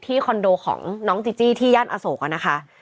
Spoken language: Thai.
คอนโดของน้องจีจี้ที่ย่านอโศกนะคะ